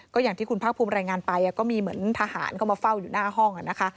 ก็อย่างที่คุณภาคภูมิรายงานไปก็มีเหมือนทหารเข้ามาเฝ้าอยู่หน้าห้องนะคะ